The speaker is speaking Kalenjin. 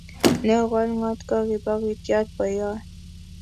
Neo ko ngotko kibogitiot boiyot